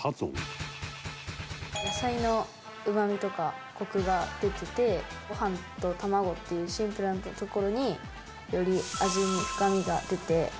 野菜のうまみとかコクが出ててご飯と卵っていうシンプルなところにより味に深みが出て。